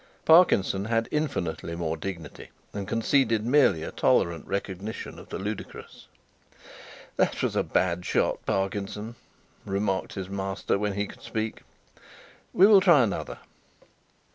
Parkinson had infinitely more dignity and conceded merely a tolerant recognition of the ludicrous. "That was a bad shot, Parkinson," remarked his master when he could speak. "We will try another."